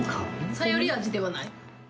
サヨリ味ではない？